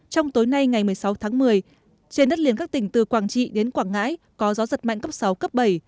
trong tối nay ngày một mươi sáu tháng một mươi trên đất liền các tỉnh từ quảng trị đến quảng ngãi có gió giật mạnh cấp sáu cấp bảy